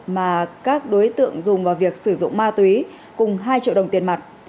mà các đối tượng dùng vào việc sử dụng ma túy cùng hai triệu đồng tiền mặt